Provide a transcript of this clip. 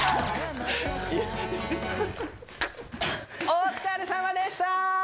お疲れさまでした！